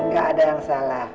gak ada yang salah